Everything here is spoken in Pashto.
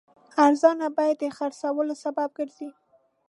ارزانه بیه د خرڅلاو سبب ګرځي.